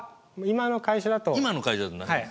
今の会社だとない？